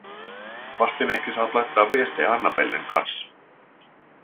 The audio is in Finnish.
Vastineeksi saat laittaa viestejä Annabellen kassa."